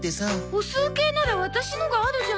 歩数計ならワタシのがあるじゃない。